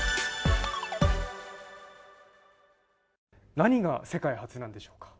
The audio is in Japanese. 何が世界初なんでしょうか？